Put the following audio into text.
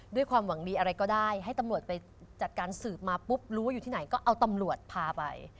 ด้วยความหวังดีอะไรก็ได้ให้ตำรวจไปจัดการสืบมาปุ๊บรู้ว่าอยู่ที่ไหนก็เอาตำรวจพาไป